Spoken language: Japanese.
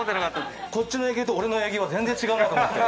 こっちの営業と俺の営業は全然違うなと思って。